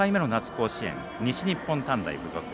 甲子園西日本短大付属。